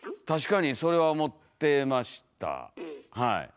確かにそれは思ってましたはい。